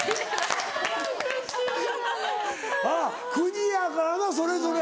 国やからなそれぞれ。